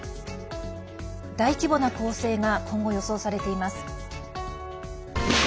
大規模な攻勢が今後、予想されています。